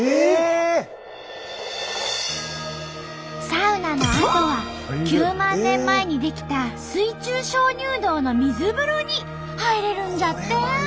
サウナのあとは９万年前に出来た水中鍾乳洞の水風呂に入れるんじゃって！